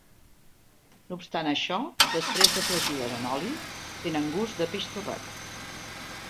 No obstant això, després de fregides en oli, tenen gust de peix torrat.